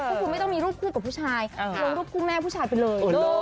ก็คือไม่ต้องมีรูปคู่กับผู้ชายลงรูปคู่แม่ผู้ชายไปเลย